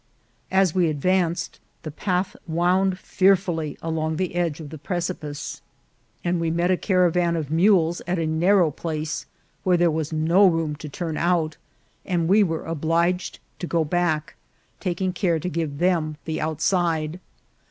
As we ad vanced the path wound fearfully along the edge of the 156 INCIDENTS OP TRAVEL. precipice, and we met a caravan of mules at a narrow place, where there was no room to turn out, and we were obliged to go back, taking care to give them the outside.